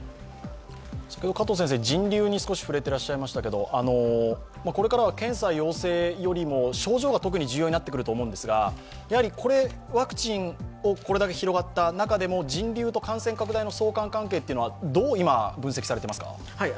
先ほど、人流に少し触れていらっしゃいましけれども、これからは検査陽性よりも症状が特に重要になってくると思うんですがワクチンをこれだけ広がった中でも人流と感染拡大の相関関係というのは、どう今は分析されていますか？